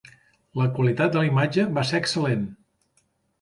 La qualitat de la imatge va ser excel·lent.